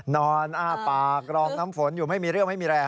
อ้าปากรอมน้ำฝนอยู่ไม่มีเรื่องไม่มีแรง